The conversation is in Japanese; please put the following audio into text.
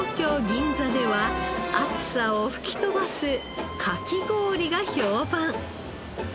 銀座では暑さを吹き飛ばすかき氷が評判。